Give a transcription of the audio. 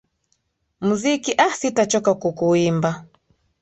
muziki aa sitachoka kukuimba